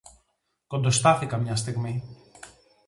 Κοντοστάθηκα μια στιγμή